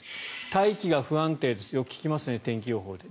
大気が不安定よく聞きますね、天気予報で。